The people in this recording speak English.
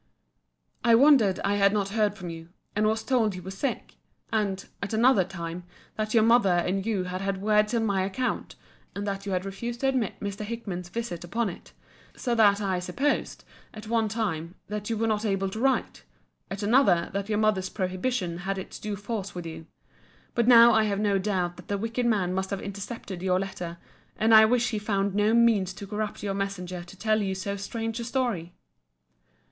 I wondered I had not heard from you: and was told you were sick; and, at another time, that your mother and you had had words on my account, and that you had refused to admit Mr. Hickman's visits upon it: so that I supposed, at one time, that you were not able to write; at another, that your mother's prohibition had its due force with you. But now I have no doubt that the wicked man must have intercepted your letter; and I wish he found not means to corrupt your messenger to tell you so strange a story.